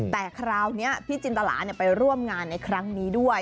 แต่คราวนี้พี่จินตลาไปร่วมงานในครั้งนี้ด้วย